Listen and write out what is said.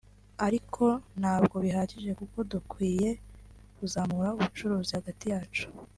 ariko ntabwo bihagije kuko dukwiye kuzamura ubucuruzi hagati yacu